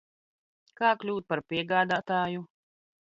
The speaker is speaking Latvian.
Kā kļūt par piegādātāju?